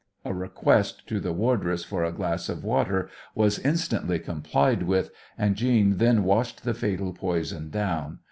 A request to the wardress for a glass of water was instantly complied with, and Jeanne then washed the fatal poison down.